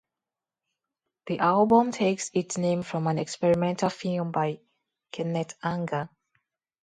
The album takes its name from an experimental film by Kenneth Anger.